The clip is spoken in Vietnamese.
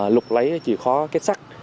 lục lấy chìa khóa két sắt